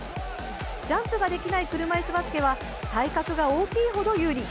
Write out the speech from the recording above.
ジャンプができない車いすバスケは体格が大きいほど有利。